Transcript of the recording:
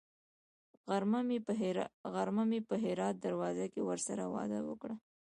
غرمه مې په هرات دروازه کې ورسره وعده وکړه.